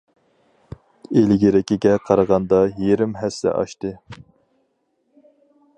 ئىلگىرىكىگە قارىغاندا يېرىم ھەسسە ئاشتى.